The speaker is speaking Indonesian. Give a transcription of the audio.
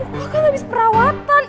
gue kan abis perawatan